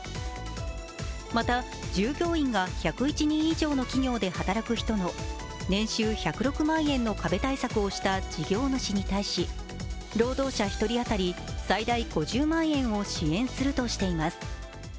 また、従業員が１０１人以上の企業で働く人の年収１０６万円の壁対策をした事業主に対し労働者１人当たり最大５０万円を支援するとしています。